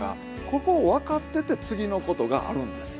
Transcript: ここを分かってて次のことがあるんですよ。